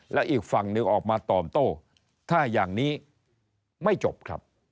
และอีกฝั่งหนึ่งออกมาตอบโต้ถ้าอย่างนี้ไม่จบครับ